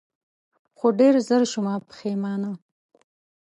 خو ډېر زر شومه پښېمانه